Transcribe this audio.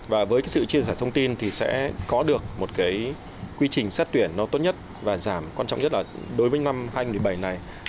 và với cái sự chia sẻ thông tin thì sẽ có được một cái quy trình xét tuyển nó tốt nhất và giảm quan trọng nhất là đối với năm hai nghìn một mươi bảy này